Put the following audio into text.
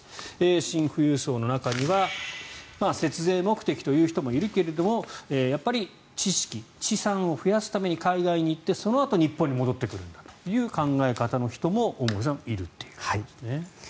シン富裕層の中には節税目的という人もいるけれどやっぱり知識、資産を増やすために海外に行って、そのあと日本に戻ってくるんだという考え方の人も大森さんいるということですね。